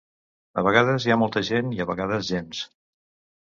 A vegades hi ha molta gent, i a vegades, gens.